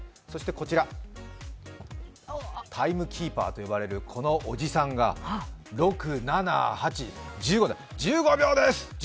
そしてこちら、タイムキーパーと呼ばれるこのおじさんが６、７、８、１５で「１５秒です！